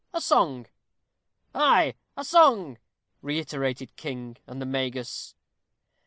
a song!" "Ay, a song!" reiterated King and the Magus.